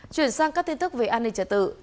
chuyển sang các tin tức về an ninh trật tự